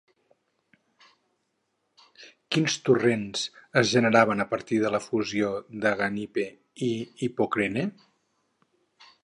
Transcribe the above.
Quins torrents es generaven a partir de la fusió d'Aganippe i Hipocrene?